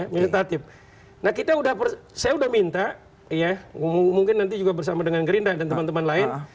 nah kita sudah saya sudah minta mungkin nanti juga bersama dengan gerinda dan teman teman lain